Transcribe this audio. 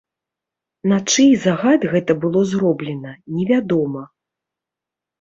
На чый загад гэта было зроблена, невядома.